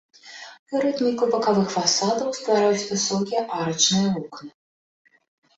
Рытміку бакавых фасадаў ствараюць высокія арачныя вокны.